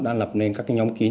đã lập nên các cái nhóm kín